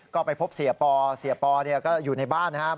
ก็ไปพบเสียปอเสียปอก็อยู่ในบ้านนะครับ